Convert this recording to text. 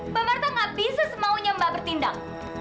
mbak marta nggak bisa semaunya mbak bertindak